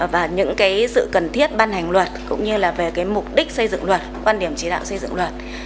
và những sự cần thiết ban hành luật cũng như mục đích xây dựng luật quan điểm chỉ đạo xây dựng luật